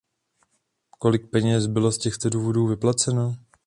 Kolik peněz bylo z těchto důvodů vyplaceno?